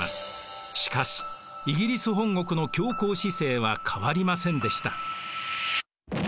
しかしイギリス本国の強硬姿勢は変わりませんでした。